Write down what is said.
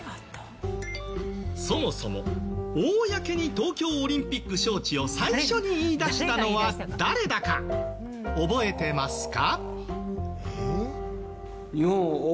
そもそも、公に東京オリンピック招致を最初に言い出したのは誰だか覚えてますか？